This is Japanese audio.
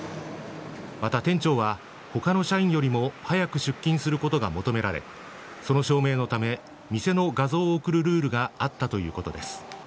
また、店長は他の社員よりも早く出勤することが求められその証明のため店の画像を送るルールがあったということです。